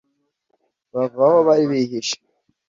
bava aho bari bihishe